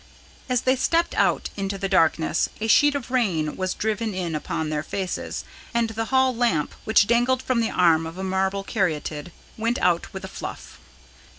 As they stepped out into the darkness, a sheet of rain was driven in upon their faces, and the hall lamp, which dangled from the arm of a marble Caryatid, went out with a fluff.